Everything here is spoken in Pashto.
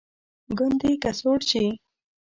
ګوندې که سوړ شي.